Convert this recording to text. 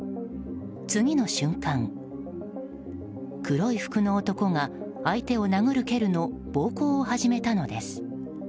次の瞬間、黒い服の男が相手を殴る蹴るの暴行を始めたのです。